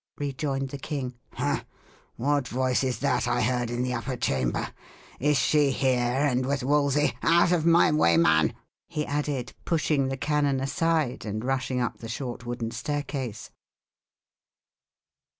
rejoined the king. "Ha! what voice is that I heard in the upper chamber? Is she here, and with Wolsey? Out of my way, man," he added, pushing the canon aside, and rushing up the short wooden staircase.